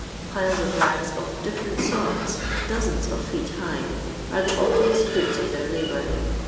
Piles of rags of different sorts, dozens of feet high, are the obvious fruits of their labour.